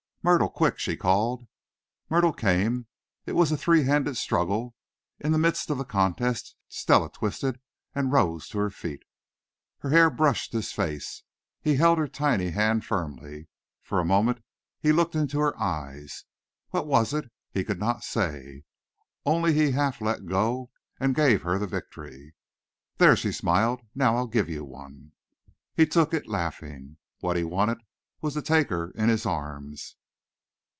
"Myrtle! Quick!" she called. Myrtle came. It was a three handed struggle. In the midst of the contest Stella twisted and rose to her feet. Her hair brushed his face. He held her tiny hand firmly. For a moment he looked into her eyes. What was it? He could not say. Only he half let go and gave her the victory. "There," she smiled. "Now I'll give you one." He took it, laughing. What he wanted was to take her in his arms.